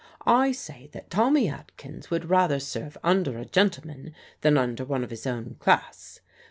I say that Tommy Atkins would rather serve under a gentleman than under one of his own class.